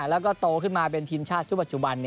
แล้วก็โตขึ้นมาเป็นทีมชาติชุดปัจจุบัน